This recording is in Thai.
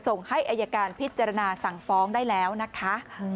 ส่งให้อายการพิจารณาสั่งฟ้องได้แล้วนะคะ